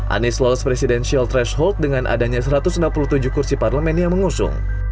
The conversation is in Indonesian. anies lolos presidensial threshold dengan adanya satu ratus enam puluh tujuh kursi parlemen yang mengusung